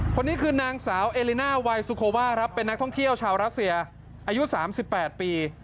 คนนี้คือนางสาวเอลิน่าไวซูโคว่าครับเป็นนักท่องเที่ยวชาวรัสเซียอายุ๓๘ปี